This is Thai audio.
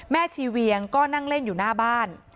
ชีเวียงก็นั่งเล่นอยู่หน้าบ้าน